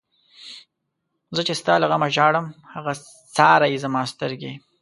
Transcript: زه چی ستا له غمه ژاړم، هغه څاری زما سترگی